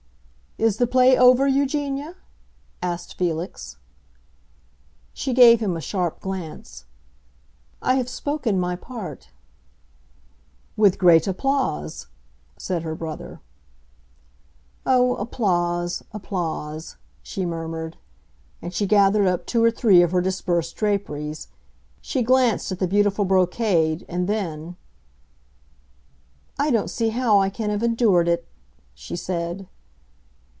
'" "Is the play over, Eugenia?" asked Felix. She gave him a sharp glance. "I have spoken my part." "With great applause!" said her brother. "Oh, applause—applause!" she murmured. And she gathered up two or three of her dispersed draperies. She glanced at the beautiful brocade, and then, "I don't see how I can have endured it!" she said.